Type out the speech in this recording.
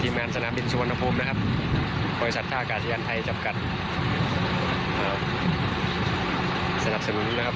บริษัทธาตุกาศิยันไทยจับกันสนับสนุนนะครับ